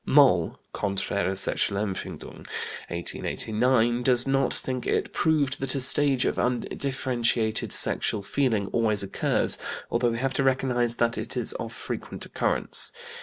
Moll (Konträre Sexualempfindung, 1889, pp. 6 and 356) does not think it proved that a stage of undifferentiated sexual feeling always occurs, although we have to recognize that it is of frequent occurrence.